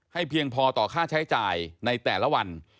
เพียงพอต่อค่าใช้จ่ายในแต่ละวัน